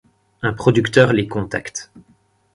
Un producteur les contacte.